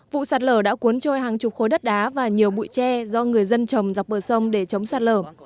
vụ sạt lở đã cuốn trôi hàng chục khối đất đá và nhiều bụi tre do người dân trồng dọc bờ sông để chống sạt lở